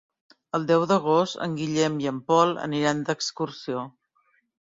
El deu d'agost en Guillem i en Pol aniran d'excursió.